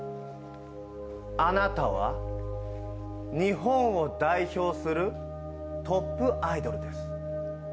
あなたは日本を代表するトップアイドルです。